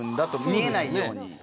見えないように。